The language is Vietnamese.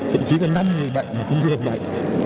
ba bốn thậm chí là năm người bệnh cũng như hợp bệnh